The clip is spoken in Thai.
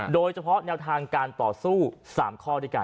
โดยเฉพาะแนวทางการต่อสู้๓ข้อด้วยกัน